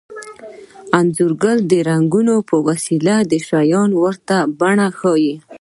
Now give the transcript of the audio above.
انځورګر د رنګونو په وسیله د شیانو ورته بڼې ښيي